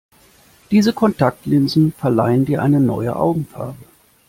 Diese Kontaktlinsen verleihen dir eine neue Augenfarbe.